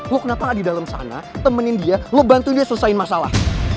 lo kenapa gak di dalam sana temenin dia lo bantuin dia selesain masalah